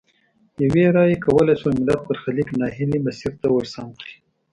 یوې رایې کولای شول ملت برخلیک نا هیلي مسیر ته ورسم کړي.